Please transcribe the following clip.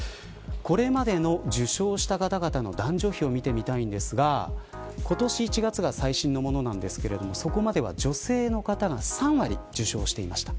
これまでの受賞した方々の男女比を見てみたいんですが今年１月が最新のものですがそこまでは女性の方が３割受賞していました。